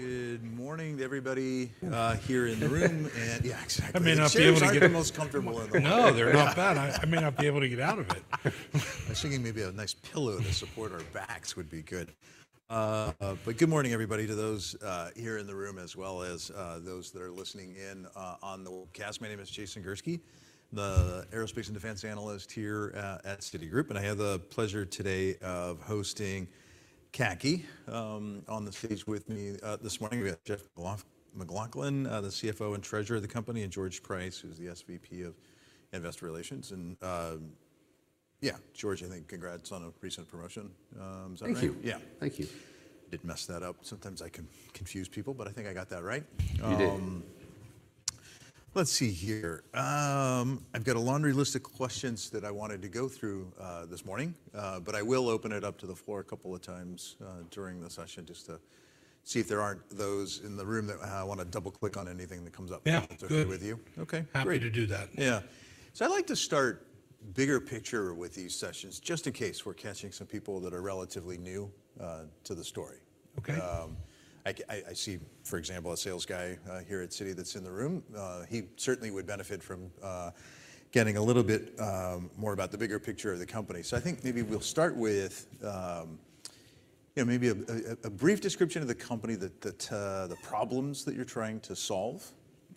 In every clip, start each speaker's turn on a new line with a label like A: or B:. A: Good morning, everybody here in the room. Yeah, exactly.
B: I may not be able to get.
C: I'm not the most comfortable in the room.
B: No, they're not bad. I may not be able to get out of it.
A: I was thinking maybe a nice pillow to support our backs would be good. Good morning, everybody, to those here in the room, as well as those that are listening in on the webcast. My name is Jason Gursky, the aerospace and defense analyst here at Citigroup. And I have the pleasure today of hosting CACI on the stage with me this morning. We have Jeffrey MacLauchlan, the CFO and treasurer of the company, and George Price, who's the SVP of investor relations. And, yeah, George, I think congrats on a recent promotion. Is that right?
B: Thank you. Yeah. Thank you.
A: I didn't mess that up. Sometimes I can confuse people, but I think I got that right.
B: You did.
A: Let's see here. I've got a laundry list of questions that I wanted to go through, this morning, but I will open it up to the floor a couple of times, during the session just to see if there aren't those in the room that, want to double-click on anything that comes up.
B: Yeah.
A: That's okay with you?
B: Okay. Happy to do that.
A: Yeah. I'd like to start bigger picture with these sessions just in case we're catching some people that are relatively new to the story.
B: Okay.
A: I see, for example, a sales guy here at Citi that's in the room. He certainly would benefit from getting a little bit more about the bigger picture of the company. So I think maybe we'll start with, you know, maybe a brief description of the company, the problems that you're trying to solve,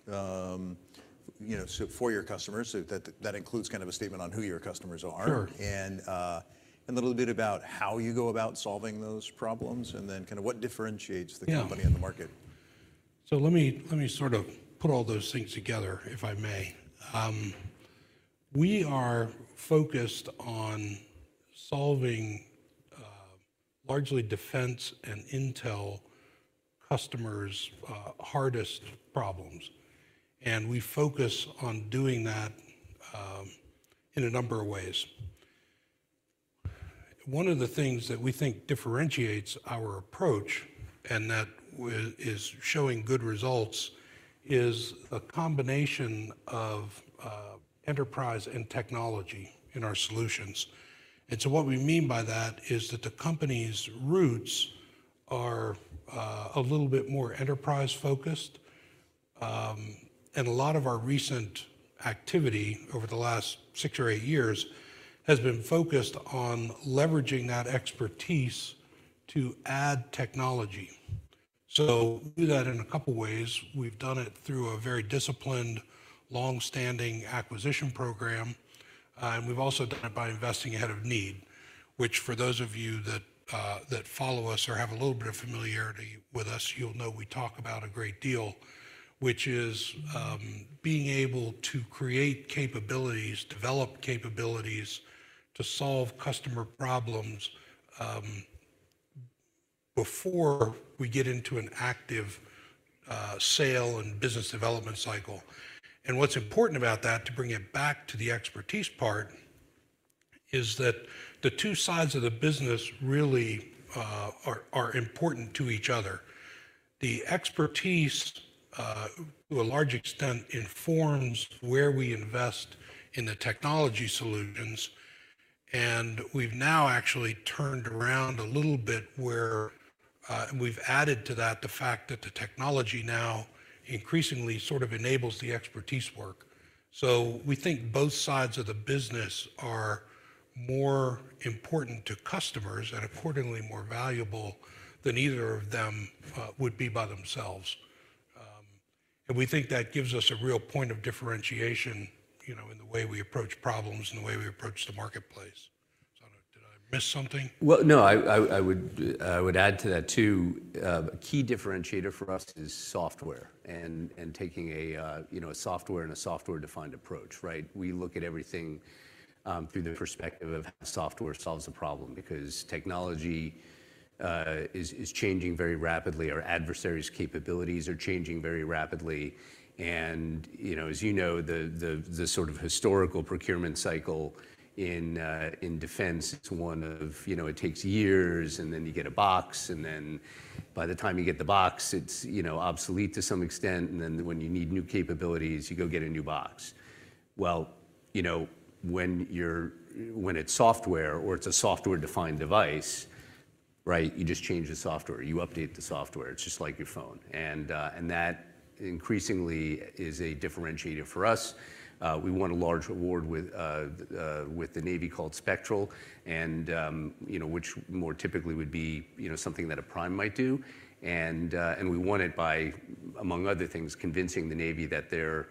A: you know, so for your customers. So that includes kind of a statement on who your customers are.
C: Sure.
A: And a little bit about how you go about solving those problems, and then kind of what differentiates the company and the market.
C: Yeah. So let me let me sort of put all those things together, if I may. We are focused on solving largely defense and intel customers' hardest problems. And we focus on doing that in a number of ways. One of the things that we think differentiates our approach and that's showing good results is a combination of enterprise and technology in our solutions. And so what we mean by that is that the company's roots are a little bit more enterprise-focused. And a lot of our recent activity over the last six or eight years has been focused on leveraging that expertise to add technology. So we do that in a couple of ways. We've done it through a very disciplined longstanding acquisition program. We've also done it by investing ahead of need, which, for those of you that follow us or have a little bit of familiarity with us, you'll know we talk about a great deal, which is being able to create capabilities, develop capabilities, to solve customer problems, before we get into an active sales and business development cycle. And what's important about that, to bring it back to the expertise part, is that the two sides of the business really are important to each other. The expertise, to a large extent, informs where we invest in the technology solutions. And we've now actually turned around a little bit where we've added to that the fact that the technology now increasingly sort of enables the expertise work. So we think both sides of the business are more important to customers and accordingly more valuable than either of them would be by themselves. We think that gives us a real point of differentiation, you know, in the way we approach problems and the way we approach the marketplace. So I don't know. Did I miss something?
B: Well, no. I would add to that too. A key differentiator for us is software and taking a, you know, a software-defined approach, right? We look at everything through the perspective of how software solves a problem because technology is changing very rapidly. Our adversaries' capabilities are changing very rapidly. And, you know, as you know, the sort of historical procurement cycle in defense is one of, you know, it takes years, and then you get a box. And then by the time you get the box, it's, you know, obsolete to some extent. And then when you need new capabilities, you go get a new box. Well, you know, when it's software or it's a software-defined device, right, you just change the software. You update the software. It's just like your phone. That increasingly is a differentiator for us. We won a large award with the Navy called Spectral, and, you know, which more typically would be, you know, something that a Prime might do. We won it by, among other things, convincing the Navy that their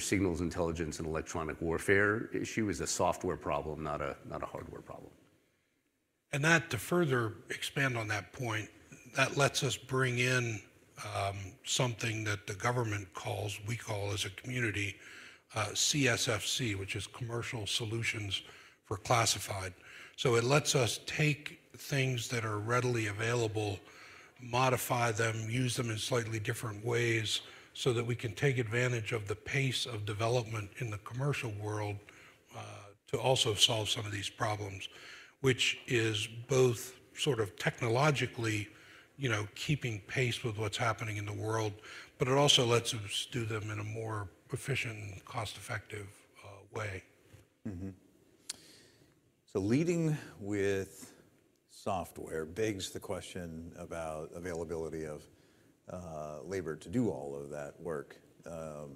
B: signals intelligence and electronic warfare issue is a software problem, not a hardware problem.
C: And that, to further expand on that point, that lets us bring in something that the government calls—we call as a community—CSfC, which is Commercial Solutions for Classified. So it lets us take things that are readily available, modify them, use them in slightly different ways so that we can take advantage of the pace of development in the commercial world, to also solve some of these problems, which is both sort of technologically, you know, keeping pace with what's happening in the world, but it also lets us do them in a more efficient and cost-effective way.
A: So leading with software begs the question about availability of labor to do all of that work. I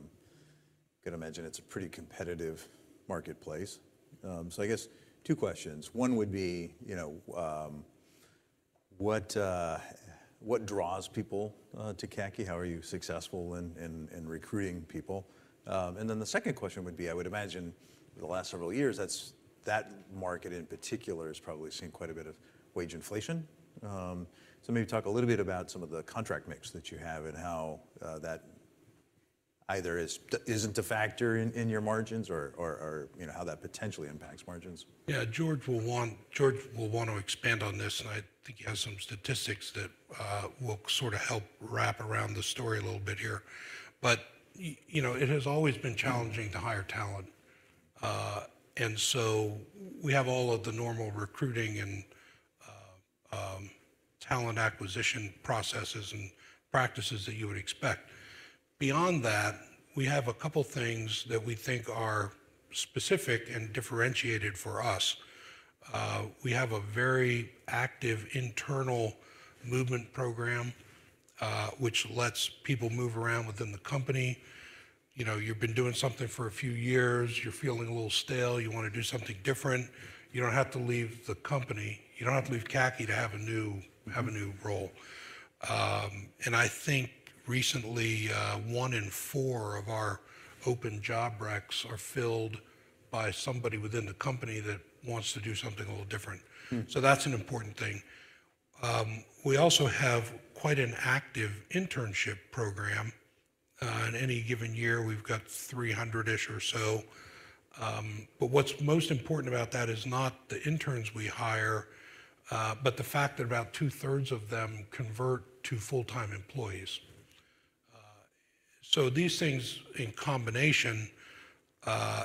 A: can imagine it's a pretty competitive marketplace. So I guess two questions. One would be, you know, what draws people to CACI? How are you successful in recruiting people? And then the second question would be, I would imagine over the last several years, that market in particular has probably seen quite a bit of wage inflation. So maybe talk a little bit about some of the contract mix that you have and how that either is or isn't a factor in your margins or, you know, how that potentially impacts margins.
C: Yeah. George will want to expand on this. And I think he has some statistics that will sort of help wrap around the story a little bit here. But you know, it has always been challenging to hire talent, and so we have all of the normal recruiting and talent acquisition processes and practices that you would expect. Beyond that, we have a couple of things that we think are specific and differentiated for us. We have a very active internal movement program, which lets people move around within the company. You know, you've been doing something for a few years. You're feeling a little stale. You want to do something different. You don't have to leave the company. You don't have to leave CACI to have a new role. I think recently, one in four of our open job recs are filled by somebody within the company that wants to do something a little different. So that's an important thing. We also have quite an active internship program. In any given year, we've got 300-ish or so. But what's most important about that is not the interns we hire, but the fact that about two-thirds of them convert to full-time employees. So these things in combination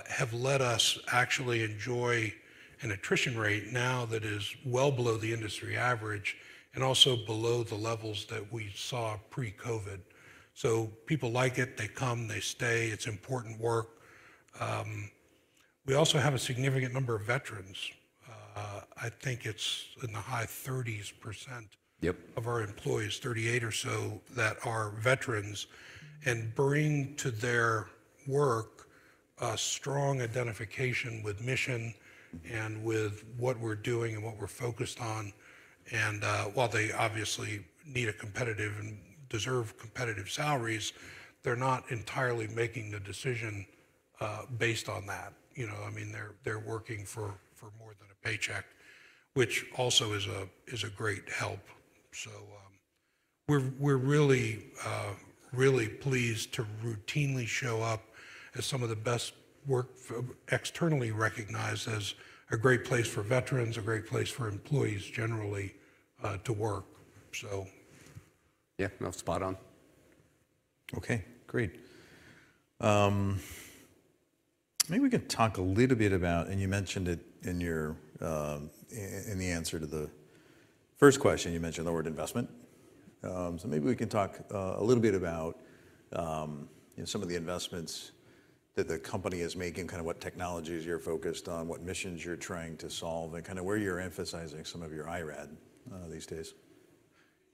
C: have led us actually enjoy an attrition rate now that is well below the industry average and also below the levels that we saw pre-COVID. So people like it. They come. They stay. It's important work. We also have a significant number of veterans. I think it's in the high 30s%.
A: Yep.
C: Of our employees, 38 or so, that are veterans and bring to their work a strong identification with mission and with what we're doing and what we're focused on. While they obviously need and deserve competitive salaries, they're not entirely making the decision based on that. You know, I mean, they're working for more than a paycheck, which also is a great help. So, we're really, really pleased to routinely show up as some of the best workplaces externally recognized as a great place for veterans, a great place for employees generally, to work, so.
A: Yeah. No, spot on. Okay. Great. Maybe we can talk a little bit about and you mentioned it in your, in the answer to the first question, you mentioned the word investment. So maybe we can talk, a little bit about, you know, some of the investments that the company is making, kind of what technologies you're focused on, what missions you're trying to solve, and kind of where you're emphasizing some of your IRAD, these days.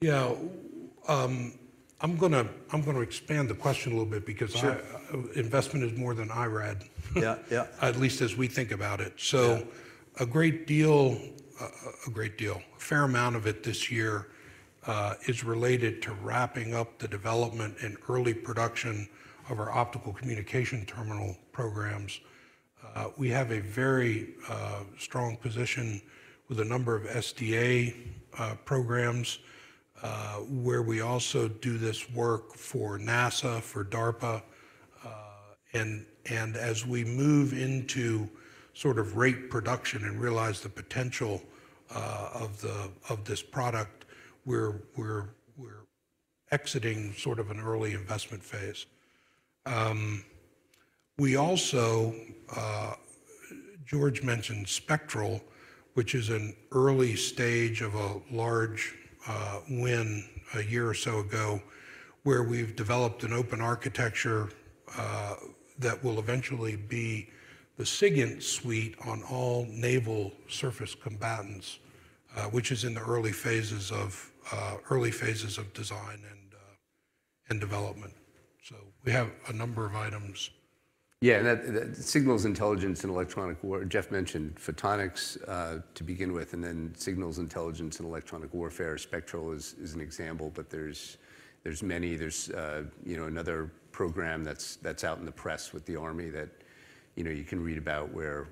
C: Yeah. I'm gonna expand the question a little bit because I.
A: Sure.
C: Investment is more than IRAD.
A: Yeah. Yeah.
C: At least as we think about it. So a great deal, a great deal, a fair amount of it this year, is related to wrapping up the development and early production of our optical communication terminal programs. We have a very strong position with a number of SDA programs, where we also do this work for NASA, for DARPA. And, and as we move into sort of rate production and realize the potential of the of this product, we're, we're, we're exiting sort of an early investment phase. We also, George mentioned Spectral, which is an early stage of a large win a year or so ago where we've developed an open architecture that will eventually be the SIGINT suite on all naval surface combatants, which is in the early phases of, early phases of design and, and development. So we have a number of items.
B: Yeah. And that signals intelligence and electronic warfare Jeff mentioned photonics, to begin with. And then signals intelligence and electronic warfare, Spectral is an example. But there's many. There's, you know, another program that's out in the press with the Army that, you know, you can read about where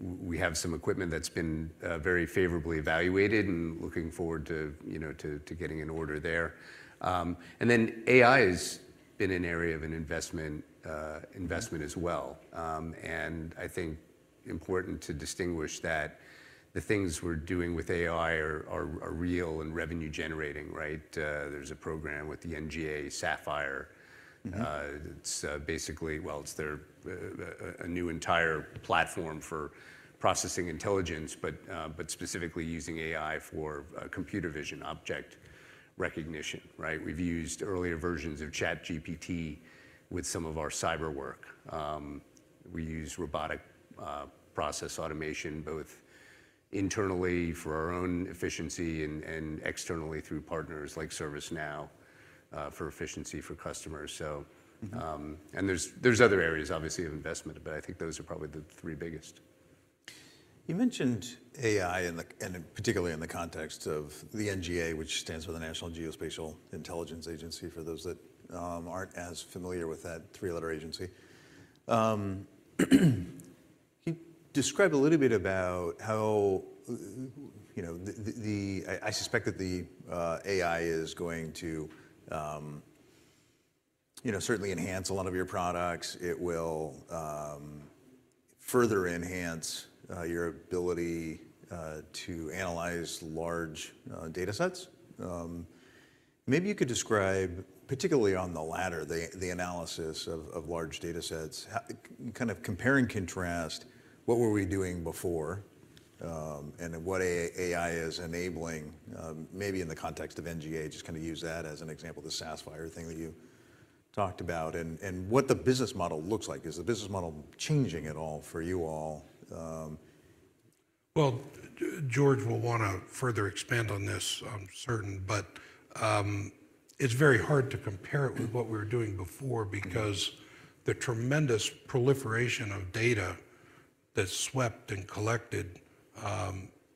B: we have some equipment that's been very favorably evaluated and looking forward to, you know, getting an order there. And then AI has been an area of investment as well. And I think important to distinguish that the things we're doing with AI are real and revenue-generating, right? There's a program with the NGA SAFFIRE. It's basically, well, it's there, a new entire platform for processing intelligence, but specifically using AI for computer vision object recognition, right? We've used earlier versions of ChatGPT with some of our cyber work. We use robotic process automation both internally for our own efficiency and externally through partners like ServiceNow, for efficiency for customers. So. And there's other areas, obviously, of investment, but I think those are probably the three biggest.
A: You mentioned AI in the end and particularly in the context of the NGA, which stands for the National Geospatial-Intelligence Agency for those that aren't as familiar with that three-letter agency. Can you describe a little bit about how, you know, I suspect that the AI is going to, you know, certainly enhance a lot of your products? It will further enhance your ability to analyze large data sets. Maybe you could describe, particularly on the latter, the analysis of large data sets, how to kind of compare and contrast what we were doing before, and what AI is enabling, maybe in the context of NGA, just kind of use that as an example, the SAFFIRE thing that you talked about, and what the business model looks like. Is the business model changing at all for you all?
C: Well, George will want to further expand on this, I'm certain. But, it's very hard to compare it with what we were doing before because. The tremendous proliferation of data that's swept and collected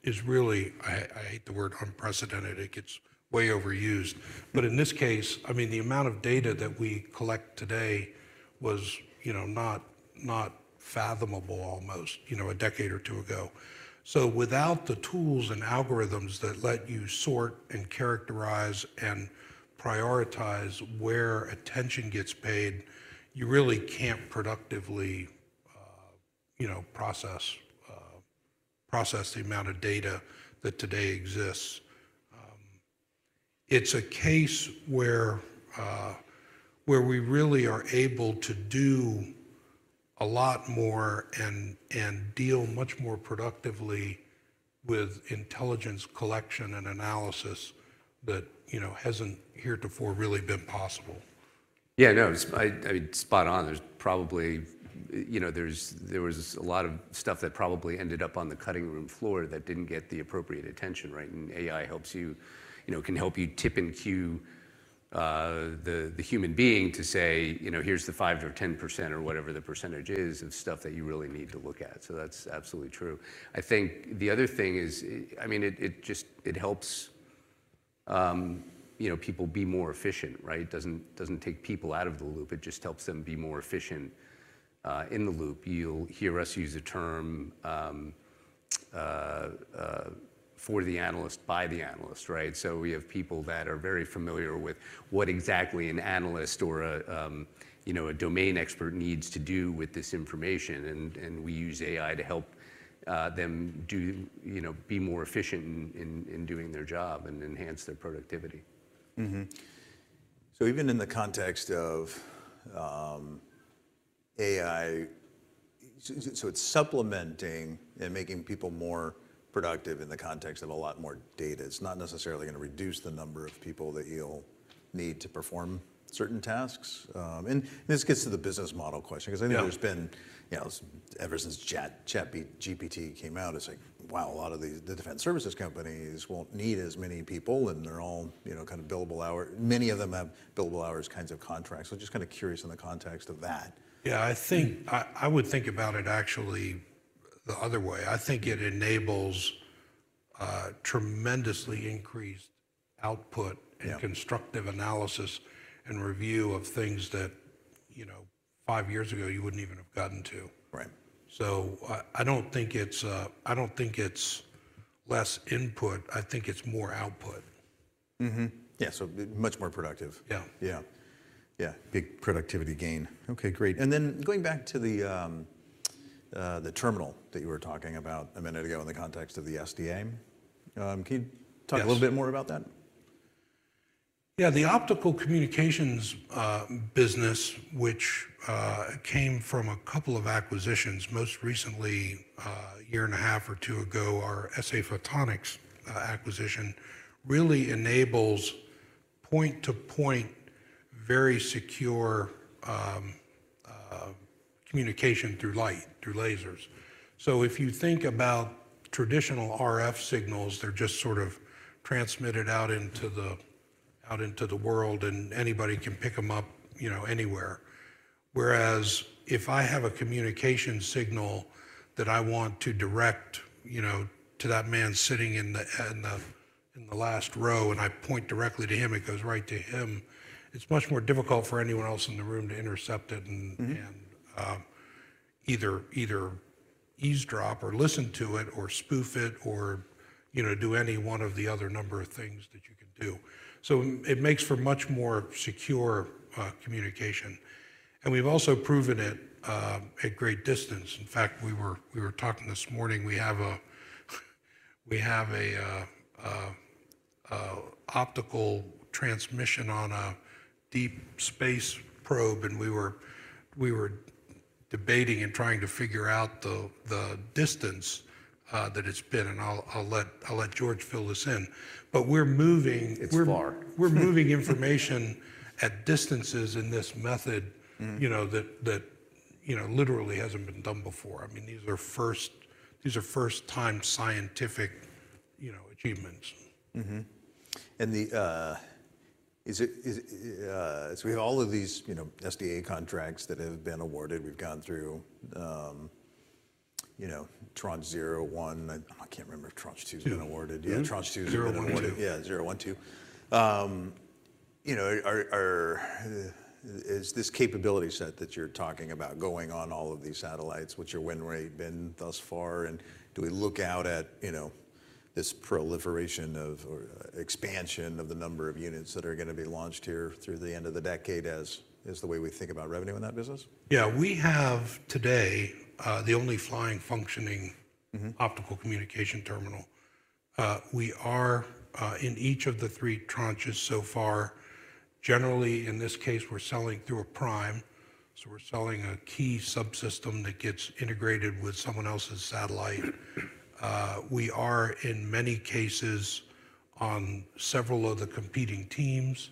C: is really, I hate the word unprecedented. It gets way overused. But in this case, I mean, the amount of data that we collect today was, you know, not, not fathomable almost, you know, a decade or two ago. So without the tools and algorithms that let you sort and characterize and prioritize where attention gets paid, you really can't productively, you know, process, process the amount of data that today exists. It's a case where, where we really are able to do a lot more and, and deal much more productively with intelligence collection and analysis that, you know, hasn't heretofore really been possible.
B: Yeah. No. It's, I mean, spot on. There's probably, you know, there was a lot of stuff that probably ended up on the cutting room floor that didn't get the appropriate attention, right? And AI helps you, you know, can help you tip and cue the human being to say, you know, here's the 5% or 10% or whatever the percentage is of stuff that you really need to look at. So that's absolutely true. I think the other thing is, I mean, it just helps, you know, people be more efficient, right? It doesn't take people out of the loop. It just helps them be more efficient in the loop. You'll hear us use a term, for the analyst, by the analyst, right? So we have people that are very familiar with what exactly an analyst or a, you know, a domain expert needs to do with this information. And we use AI to help them, you know, be more efficient in doing their job and enhance their productivity.
A: So even in the context of AI, so it's supplementing and making people more productive in the context of a lot more data. It's not necessarily going to reduce the number of people that you'll need to perform certain tasks. And this gets to the business model question because I think there's been.
B: Yeah.
A: You know, ever since ChatGPT came out, it's like, wow, a lot of these defense services companies won't need as many people. And they're all, you know, kind of billable hour many of them have billable hours kinds of contracts. So just kind of curious in the context of that.
C: Yeah. I think I would think about it actually the other way. I think it enables tremendously increased output and.
A: Yeah.
C: Constructive analysis and review of things that, you know, five years ago, you wouldn't even have gotten to.
A: Right.
C: I don't think it's less input. I think it's more output.
A: Yeah. So much more productive.
C: Yeah.
A: Yeah. Yeah. Big productivity gain. Okay. Great. And then going back to the terminal that you were talking about a minute ago in the context of the SDA, can you talk-
C: Yes.
A: ...a little bit more about that?
C: Yeah. The optical communications business, which came from a couple of acquisitions, most recently 1.5 years or two years ago, our SA Photonics acquisition really enables point-to-point, very secure, communication through light, through lasers. So if you think about traditional RF signals, they're just sort of transmitted out into the world. And anybody can pick them up, you know, anywhere. Whereas if I have a communication signal that I want to direct, you know, to that man sitting in the last row, and I point directly to him, it goes right to him, it's much more difficult for anyone else in the room to intercept it and. Either eavesdrop or listen to it or spoof it or, you know, do any one of the other number of things that you can do. So it makes for much more secure communication. And we've also proven it at great distance. In fact, we were talking this morning. We have a optical transmission on a deep space probe. And we were debating and trying to figure out the distance that it's been. And I'll let George fill this in. But we're moving.
A: It's far.
C: We're moving information at distances in this method. You know, that you know, literally hasn't been done before. I mean, these are first-time scientific, you know, achievements.
A: So we have all of these, you know, SDA contracts that have been awarded. We've gone through, you know, Tranche 0, 1. I can't remember if Tranche 2's been awarded.
C: Tranche 0, 1, 2.
B: Yeah. Tranche 2's been awarded.
C: Tranche 0, 1, 2.
A: Yeah. Tranche 0, 1, 2. You know, is this capability set that you're talking about going on all of these satellites? What's your win rate been thus far? And do we look out at, you know, this proliferation or expansion of the number of units that are going to be launched here through the end of the decade as the way we think about revenue in that business?
C: Yeah. We have today, the only flying functioning. Optical communication terminal. We are, in each of the three tranches so far. Generally, in this case, we're selling through a prime. So we're selling a key subsystem that gets integrated with someone else's satellite. We are, in many cases, on several of the competing teams,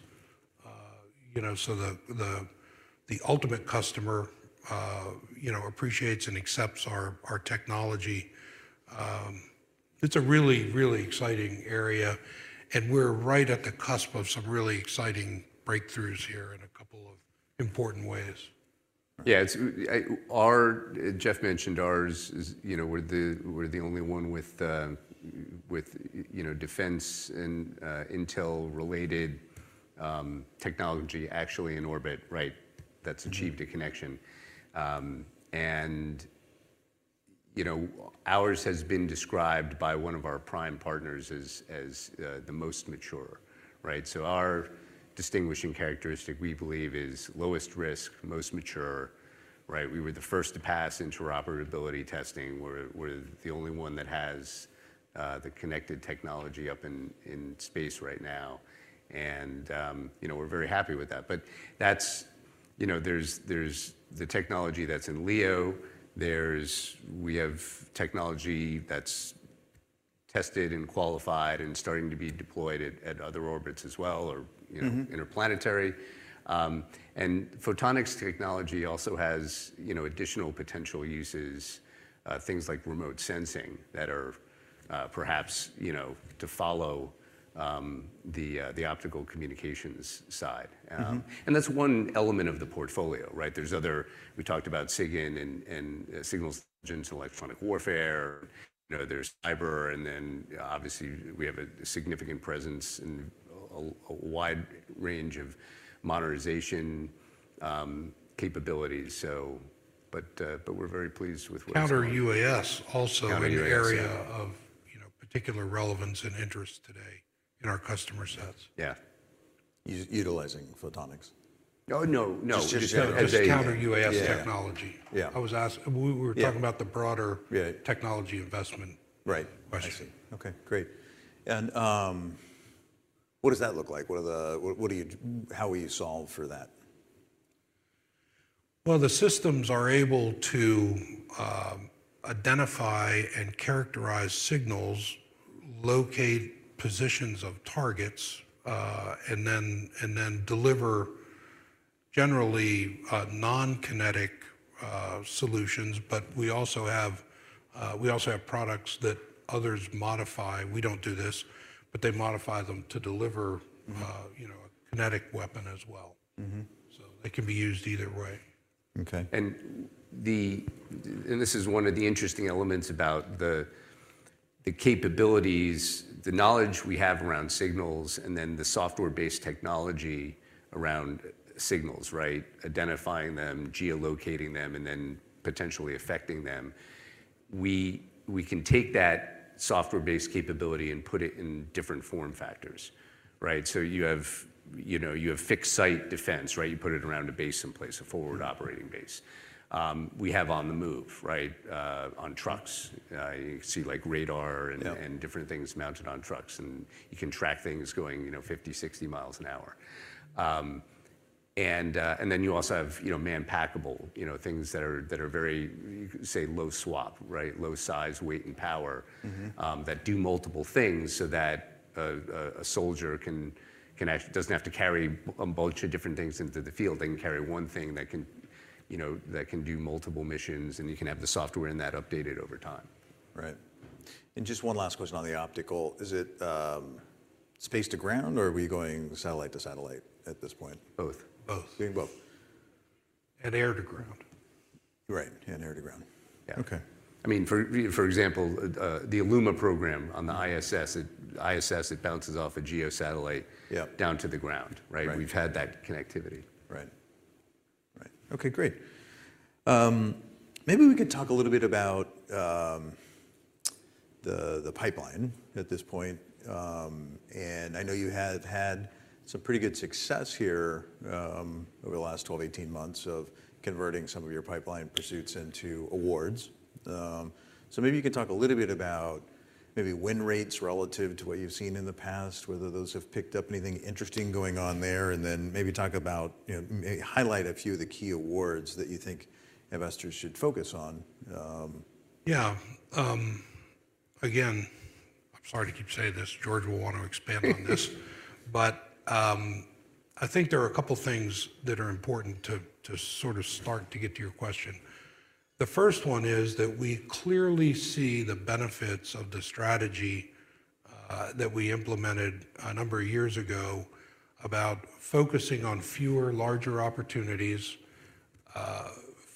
C: you know, so the ultimate customer, you know, appreciates and accepts our technology. It's a really, really exciting area. And we're right at the cusp of some really exciting breakthroughs here in a couple of important ways.
B: Yeah. It's, as our Jeff mentioned, ours is, you know, we're the only one with, you know, defense and intel-related technology actually in orbit, right, that's achieved a connection. And, you know, ours has been described by one of our prime partners as the most mature, right? So our distinguishing characteristic, we believe, is lowest risk, most mature, right? We were the first to pass interoperability testing. We're the only one that has the connected technology up in space right now. And, you know, we're very happy with that. But that's, you know, there's the technology that's in LEO. There's we have technology that's tested and qualified and starting to be deployed at other orbits as well or, you know. Interplanetary and photonics technology also has, you know, additional potential uses, things like remote sensing that are, perhaps, you know, to follow, the, the optical communications side. And that's one element of the portfolio, right? There's other we talked about SIGINT and signals intelligence and electronic warfare. You know, there's cyber. And then, obviously, we have a significant presence in a wide range of modernization capabilities. But we're very pleased with what's.
C: Counter-UAS also.
A: Counter-UAS.
C: In the area of, you know, particular relevance and interest today in our customer sets.
A: Yeah. Utilizing photonics?
B: Oh, no. No. Just, just as a.
C: Just as a counter-UAS technology.
B: Yeah.
C: I was asking. We were talking about the broader.
A: Yeah.
C: Technology investment.
A: Right.
C: Question.
A: I see. Okay. Great. And what does that look like? What do you, how will you solve for that?
C: Well, the systems are able to identify and characterize signals, locate positions of targets, and then deliver generally non-kinetic solutions. But we also have products that others modify. We don't do this. But they modify them to deliver. You know, a kinetic weapon as well. They can be used either way.
B: Okay. This is one of the interesting elements about the capabilities, the knowledge we have around signals and then the software-based technology around signals, right, identifying them, geolocating them, and then potentially affecting them. We can take that software-based capability and put it in different form factors, right? So you have, you know, fixed-site defense, right? You put it around a base in place, a forward operating base. We have on-the-move, right, on trucks. You can see, like, radar and.
C: Yeah.
B: Different things mounted on trucks. You can track things going, you know, 50-60 miles an hour. And then you also have, you know, man-packable, you know, things that are very you could say low-SWaP, right, low-size, weight, and power that do multiple things so that a soldier can actually doesn't have to carry a bunch of different things into the field. They can carry one thing that can, you know, that can do multiple missions. And you can have the software in that updated over time.
A: Right. And just one last question on the optical. Is it space to ground? Or are we going satellite to satellite at this point?
B: Both.
C: Both.
A: Doing both.
C: Air to ground.
A: Right. And air to ground. Yeah.
C: Okay.
B: I mean, for example, the ILLUMA program on the ISS, it bounces off a GEO satellite.
A: Yeah.
B: Down to the ground, right?
A: Right.
B: We've had that connectivity.
A: Right. Right. Okay. Great. Maybe we could talk a little bit about the pipeline at this point. I know you have had some pretty good success here over the last 12-18 months of converting some of your pipeline pursuits into awards. So maybe you can talk a little bit about maybe win rates relative to what you've seen in the past, whether those have picked up, anything interesting going on there, and then maybe talk about, you know, may highlight a few of the key awards that you think investors should focus on.
C: Yeah. Again, I'm sorry to keep saying this. George will want to expand on this. But I think there are a couple of things that are important to, to sort of start to get to your question. The first one is that we clearly see the benefits of the strategy that we implemented a number of years ago about focusing on fewer, larger opportunities,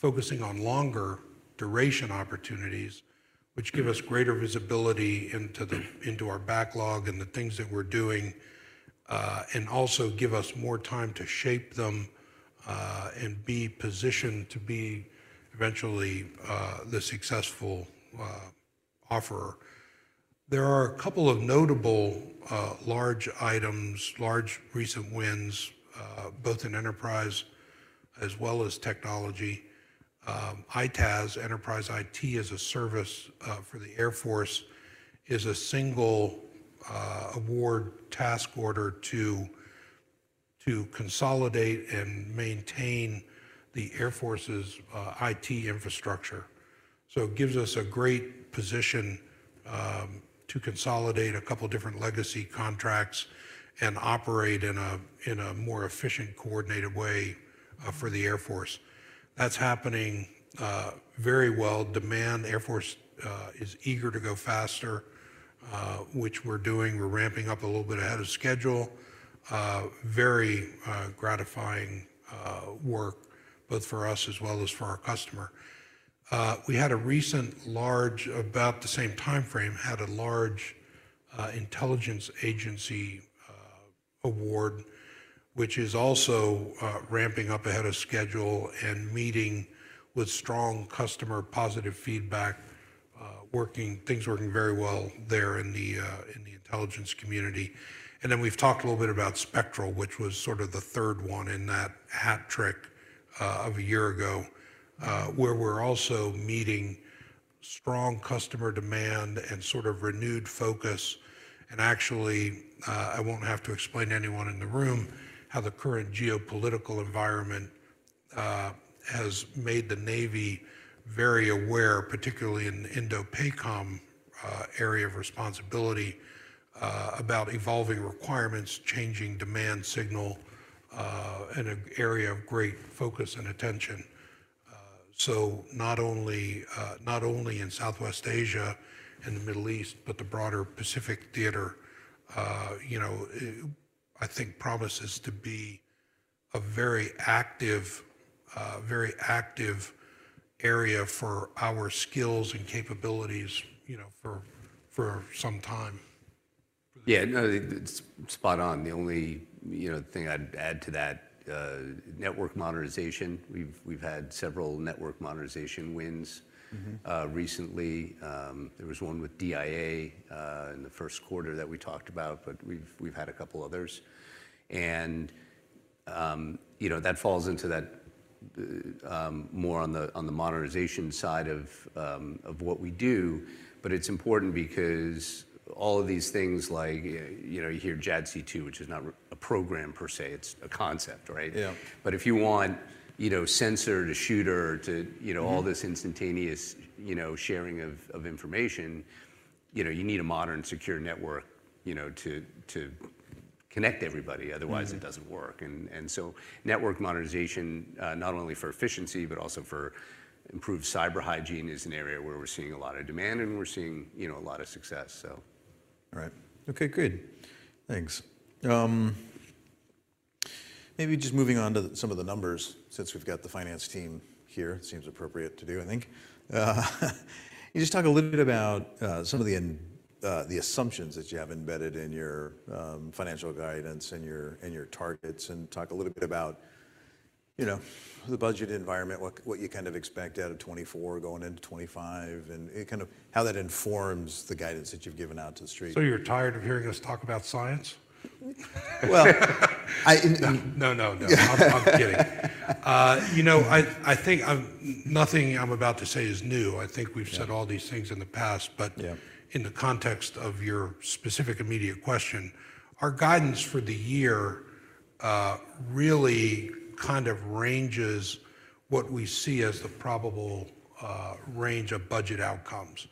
C: focusing on longer duration opportunities, which give us greater visibility into our backlog and the things that we're doing, and also give us more time to shape them, and be positioned to be eventually the successful offerer. There are a couple of notable large items, large recent wins, both in enterprise as well as technology. EITaaS, Enterprise IT as a Service, for the Air Force, is a single award task order to, to consolidate and maintain the Air Force's IT infrastructure. So it gives us a great position to consolidate a couple of different legacy contracts and operate in a more efficient, coordinated way for the Air Force. That's happening very well. The Air Force is eager to go faster, which we're doing. We're ramping up a little bit ahead of schedule. Very gratifying work both for us as well as for our customer. We had a recent large intelligence agency award about the same time frame, which is also ramping up ahead of schedule and meeting with strong customer positive feedback, working very well there in the intelligence community. And then we've talked a little bit about Spectral, which was sort of the third one in that hat trick of a year ago, where we're also meeting strong customer demand and sort of renewed focus. Actually, I won't have to explain to anyone in the room how the current geopolitical environment has made the Navy very aware, particularly in the Indo-PACOM area of responsibility, about evolving requirements, changing demand signal, in an area of great focus and attention. So not only, not only in Southwest Asia and the Middle East, but the broader Pacific Theater, you know, it I think promises to be a very active, very active area for our skills and capabilities, you know, for, for some time.
B: Yeah. No, it's spot on. The only, you know, thing I'd add to that, network monitoring. We've had several network monitoring wins. Recently, there was one with DIA in the first quarter that we talked about. But we've had a couple others. And, you know, that falls into that, more on the monitoring side of what we do. But it's important because all of these things like, you know, you hear JADC2, which is not a program per se. It's a concept, right?
C: Yeah.
B: But if you want, you know, sensor to shooter to, you know, all this instantaneous, you know, sharing of information, you know, you need a modern, secure network, you know, to connect everybody. Otherwise, it doesn't work. And so network monitoring, not only for efficiency but also for improved cyber hygiene is an area where we're seeing a lot of demand. And we're seeing, you know, a lot of success, so.
A: All right. Okay. Good. Thanks. Maybe just moving on to some of the numbers since we've got the finance team here, it seems appropriate to do, I think. Can you just talk a little bit about some of the assumptions that you have embedded in your financial guidance and your targets and talk a little bit about, you know, the budget environment, what you kind of expect out of 2024 going into 2025, and kind of how that informs the guidance that you've given out to the street.
C: So you're tired of hearing us talk about science?
A: Well, no, no, no.
C: I'm kidding, you know. I think nothing I'm about to say is new. I think we've said all these things in the past. But. Yeah. In the context of your specific immediate question, our guidance for the year really kind of ranges what we see as the probable range of budget outcomes.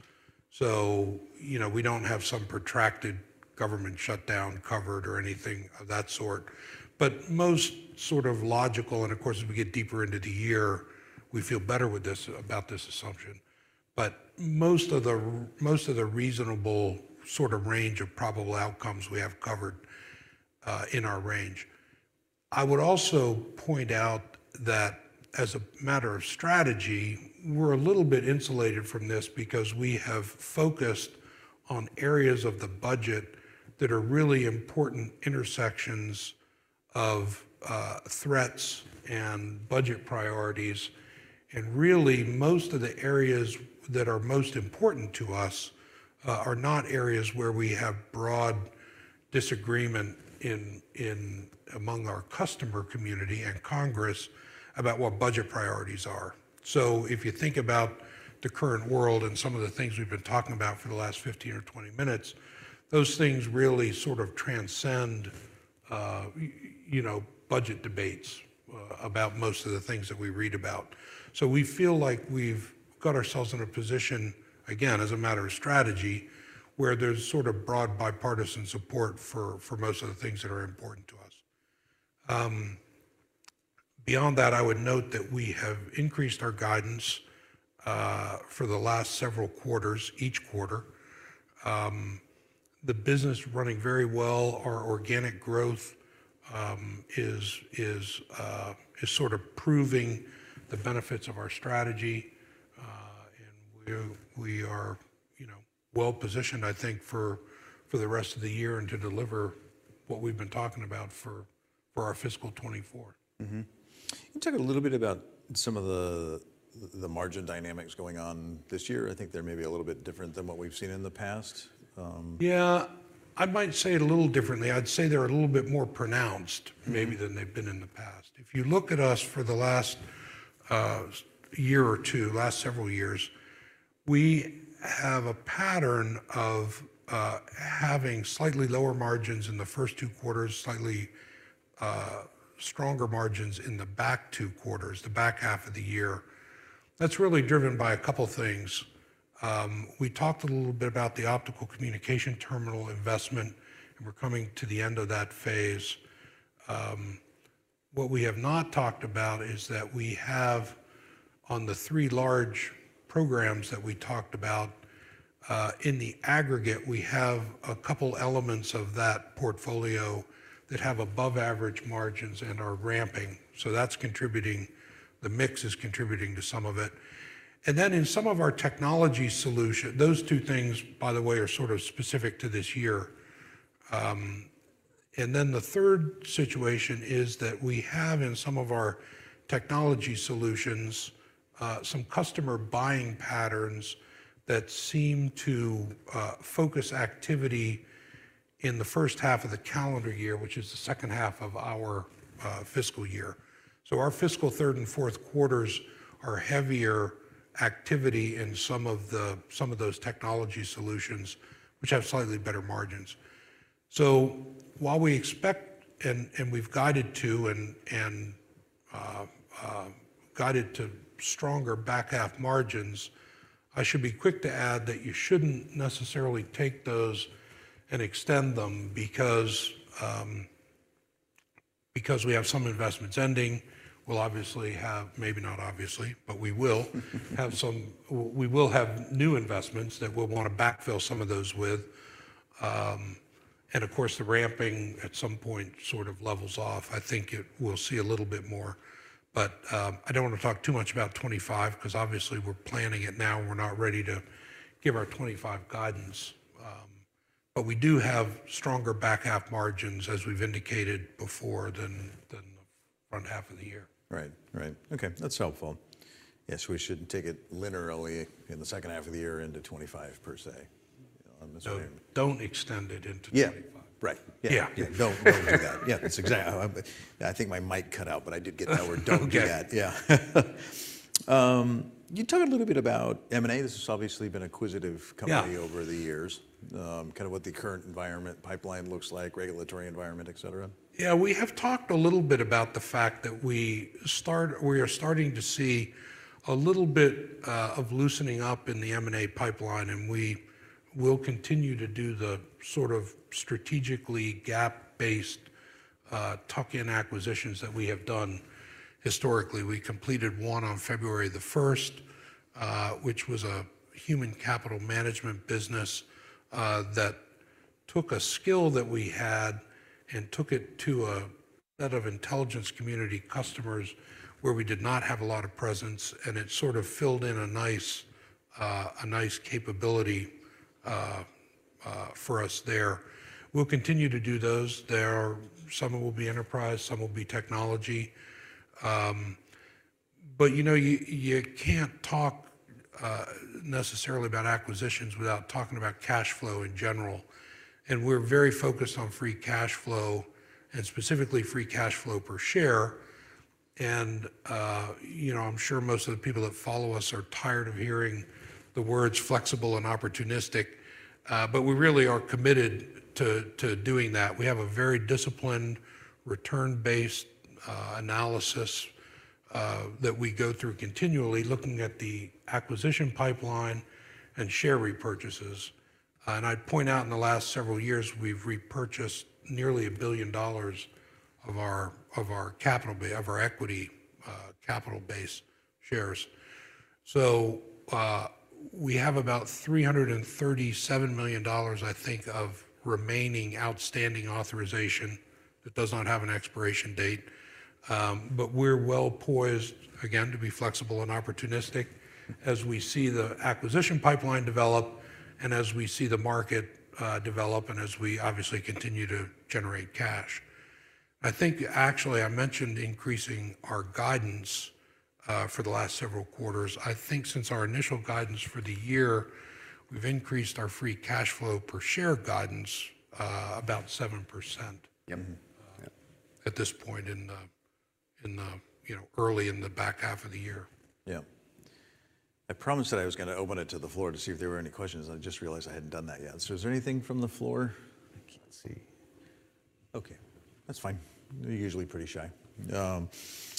C: So, you know, we don't have some protracted government shutdown covered or anything of that sort. But most sort of logical and, of course, as we get deeper into the year, we feel better with this about this assumption. But most of the most of the reasonable sort of range of probable outcomes we have covered in our range. I would also point out that, as a matter of strategy, we're a little bit insulated from this because we have focused on areas of the budget that are really important intersections of threats and budget priorities. And really, most of the areas that are most important to us are not areas where we have broad disagreement in among our customer community and Congress about what budget priorities are. So if you think about the current world and some of the things we've been talking about for the last 15 or 20 minutes, those things really sort of transcend, you know, budget debates about most of the things that we read about. So we feel like we've got ourselves in a position, again, as a matter of strategy, where there's sort of broad bipartisan support for most of the things that are important to us. Beyond that, I would note that we have increased our guidance for the last several quarters, each quarter. The business running very well, our organic growth is sort of proving the benefits of our strategy and we are, you know, well-positioned, I think, for the rest of the year and to deliver what we've been talking about for our fiscal 2024.
A: Can you talk a little bit about some of the margin dynamics going on this year? I think they're maybe a little bit different than what we've seen in the past.
C: Yeah. I might say it a little differently. I'd say they're a little bit more pronounced maybe than they've been in the past. If you look at us for the last year or two, last several years, we have a pattern of having slightly lower margins in the first two quarters, slightly stronger margins in the back two quarters, the back half of the year. That's really driven by a couple of things. We talked a little bit about the optical communication terminal investment. And we're coming to the end of that phase. What we have not talked about is that we have, on the three large programs that we talked about, in the aggregate, we have a couple of elements of that portfolio that have above-average margins and are ramping. So that's contributing the mix is contributing to some of it. And then in some of our technology solutions those two things, by the way, are sort of specific to this year. And then the third situation is that we have, in some of our technology solutions, some customer buying patterns that seem to focus activity in the first half of the calendar year, which is the second half of our fiscal year. So our fiscal third and fourth quarters are heavier activity in some of those technology solutions, which have slightly better margins. So while we expect, and we've guided to stronger back-half margins, I should be quick to add that you shouldn't necessarily take those and extend them because we have some investments ending. We'll obviously have, maybe not obviously, but we will have new investments that we'll want to backfill some of those with. And of course, the ramping at some point sort of levels off. I think we'll see a little bit more. But I don't want to talk too much about 2025 because obviously, we're planning it now. We're not ready to give our 2025 guidance. But we do have stronger back-half margins, as we've indicated before, than the front half of the year.
A: Right. Right. Okay. That's helpful. Yes. We shouldn't take it linearly in the second half of the year into 2025 per se. I'm assuming.
C: Don't extend it into 2025.
A: Yeah. Right. Yeah.
C: Yeah.
A: Yeah. Don't, don't do that. Yeah. That's exactly—I think my mic cut out. But I did get that word. Don't do that. Yeah. Can you talk a little bit about M&A? This has obviously been an acquisitive company over the years, kind of what the current environment, pipeline looks like, regulatory environment, et cetera.
C: Yeah. We have talked a little bit about the fact that we are starting to see a little bit of loosening up in the M&A pipeline. We will continue to do the sort of strategically gap-based, tuck-in acquisitions that we have done historically. We completed one on February the 1st, which was a human capital management business, that took a skill that we had and took it to a set of intelligence community customers where we did not have a lot of presence. It sort of filled in a nice, a nice capability, for us there. We'll continue to do those. There are some that will be enterprise. Some will be technology. But, you know, you can't talk, necessarily about acquisitions without talking about cash flow in general. We're very focused on free cash flow and specifically free cash flow per share. You know, I'm sure most of the people that follow us are tired of hearing the words flexible and opportunistic. But we really are committed to doing that. We have a very disciplined, return-based analysis that we go through continually looking at the acquisition pipeline and share repurchases. I'd point out, in the last several years, we've repurchased nearly $1 billion of our equity capital-based shares. So, we have about $337 million, I think, of remaining outstanding authorization that does not have an expiration date. But we're well poised, again, to be flexible and opportunistic as we see the acquisition pipeline develop and as we see the market develop and as we obviously continue to generate cash. I think, actually, I mentioned increasing our guidance for the last several quarters. I think since our initial guidance for the year, we've increased our free cash flow per share guidance, about 7%.
A: Yep.
C: At this point in the, you know, early in the back half of the year.
A: Yeah. I promised that I was going to open it to the floor to see if there were any questions. I just realized I hadn't done that yet. Is there anything from the floor? Let's see. Okay. That's fine. You're usually pretty shy. Let's.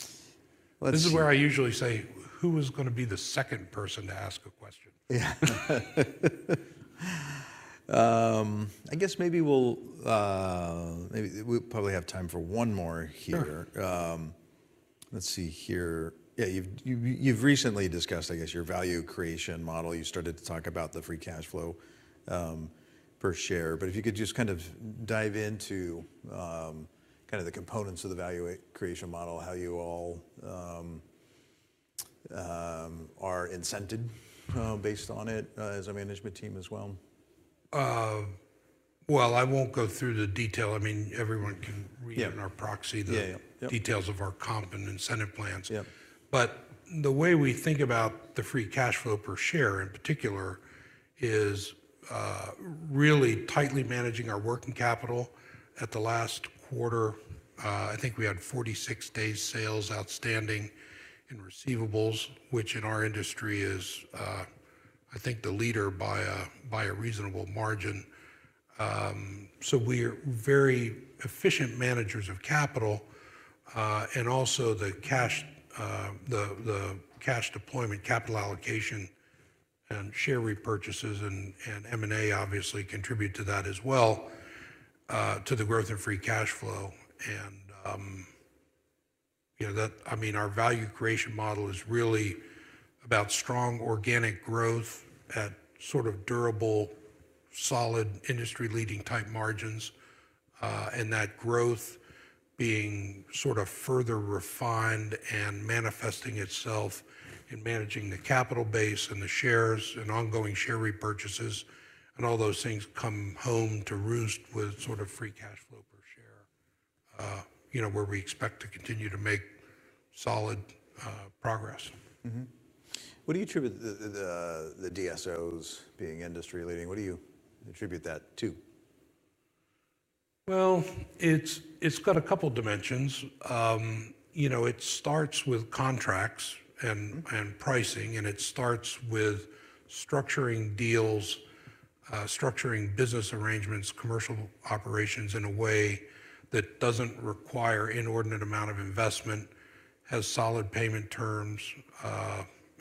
C: This is where I usually say, who is going to be the second person to ask a question?
A: Yeah. I guess maybe we'll probably have time for one more here. Let's see here. Yeah. You've recently discussed, I guess, your value creation model. You started to talk about the free cash flow per share. But if you could just kind of dive into kind of the components of the value creation model, how you all are incented based on it as a management team as well.
C: Well, I won't go through the detail. I mean, everyone can read in our proxy the details of our comp and incentive plans.
A: Yep.
C: But the way we think about the free cash flow per share, in particular, is really tightly managing our working capital. At the last quarter, I think we had 46 days' sales outstanding in receivables, which in our industry is, I think, the leader by a reasonable margin. So we are very efficient managers of capital. And also, the cash deployment, capital allocation, and share repurchases and M&A, obviously, contribute to that as well, to the growth in free cash flow. And, you know, I mean, our value creation model is really about strong organic growth at sort of durable, solid, industry-leading type margins, and that growth being sort of further refined and manifesting itself in managing the capital base and the shares and ongoing share repurchases. All those things come home to roost with sort of free cash flow per share, you know, where we expect to continue to make solid progress.
A: What do you attribute the DSOs being industry-leading? What do you attribute that to?
C: Well, it's, it's got a couple of dimensions. You know, it starts with contracts and, and pricing. And it starts with structuring deals, structuring business arrangements, commercial operations in a way that doesn't require an inordinate amount of investment, has solid payment terms,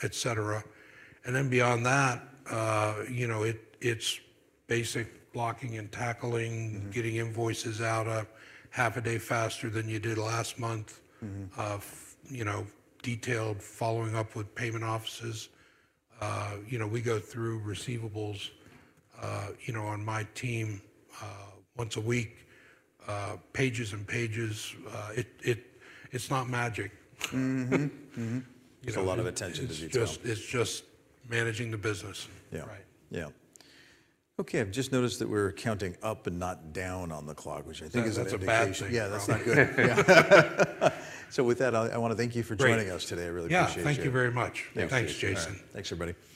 C: et cetera. And then beyond that, you know, it, it's basic blocking and tackling, getting invoices out a half a day faster than you did last month, you know, detailed following up with payment offices. You know, we go through receivables, you know, on my team, once a week, pages and pages. It, it, it's not magic. It's a lot of attention, as you tell. It's just managing the business.
A: Yeah.
C: Right.
A: Yeah. Okay. I've just noticed that we're counting up and not down on the clock, which I think is a good thing.
C: Yeah. That's a bad thing.
A: Yeah. That's not good. Yeah. So with that, I want to thank you for joining us today. I really appreciate you.
C: Yeah. Thank you very much.
B: Thanks, Jason.
A: Thanks, everybody.